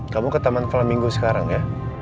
kamu ke taman flaminggo sekarang ya